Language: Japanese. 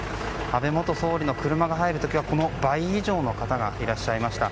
安倍元総理の車が入る時は倍以上の方がいらっしゃいました。